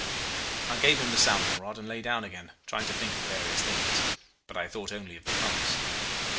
"I gave him the sounding rod and lay down again, trying to think of various things but I thought only of the pumps.